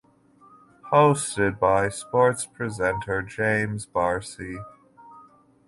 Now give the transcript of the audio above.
Hosted by sports presenter James Bracey.